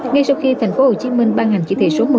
ngay sau khi tp hcm ban hành chỉ thị số một mươi